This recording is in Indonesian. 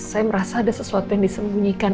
saya merasa ada sesuatu yang disembunyikan